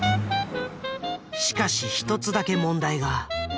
しかし一つだけ問題が。